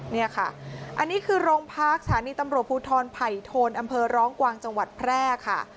นี่ค่ะอันนี้คือโรงพักสถานีตำรวจภูทรไผ่โทนอำเภอร้องกวางจังหวัดแพร่ค่ะ